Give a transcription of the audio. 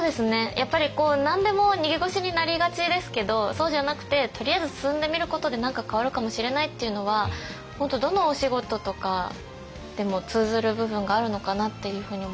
やっぱり何でも逃げ腰になりがちですけどそうじゃなくてとりあえず進んでみることで何か変わるかもしれないっていうのは本当どのお仕事とかでも通ずる部分があるのかなっていうふうに思います。